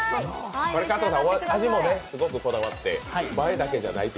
加藤さん、味もすごくこだわって、映えだけじゃないと。